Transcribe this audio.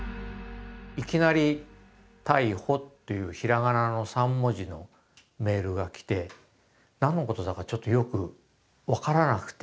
いきなり「たいほ」という平仮名の３文字のメールが来て何のことだかちょっとよく分からなくて。